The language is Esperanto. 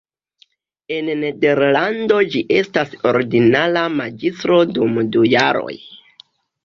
En Nederlando ĝi estas ordinara magistro dum du jaroj.